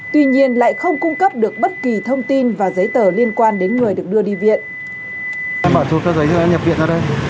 tuy nhiên lại không cung cấp được bất kỳ thông tin và giấy tờ liên quan đến người được đưa đi viện